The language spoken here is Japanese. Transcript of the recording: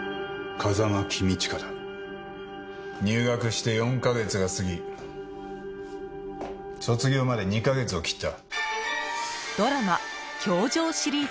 「入学して４カ月が過ぎ卒業まで２カ月を切った」